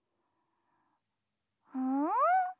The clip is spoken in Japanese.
うん？